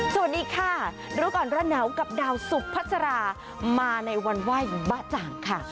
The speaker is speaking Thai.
สวัสดีค่ะรู้ก่อนร้อนหนาวกับดาวสุพัสรามาในวันไหว้บ๊ะจ่างค่ะ